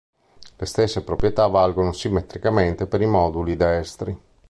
Le stesse proprietà valgono simmetricamente per i moduli destri.